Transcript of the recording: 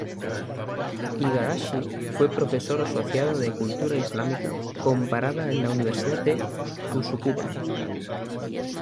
Igarashi fue profesor asociado de cultura islámica comparada en la Universidad de Tsukuba.